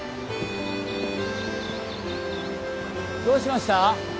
どうしました？